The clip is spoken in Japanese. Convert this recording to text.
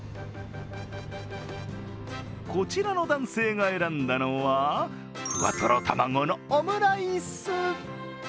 こちらの男性が選んだのはふわトロ卵のオムライス。